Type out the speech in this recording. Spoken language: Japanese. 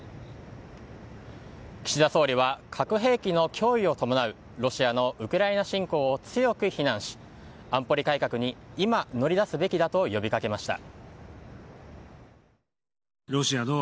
岸田総理は核兵器の脅威を伴うロシアのウクライナ侵攻を強く非難し安保理改革に今、乗り出すべきだと呼び掛けました。